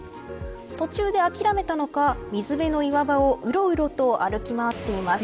途中で諦めたのか水辺の岩場をうろうろと歩き回っています。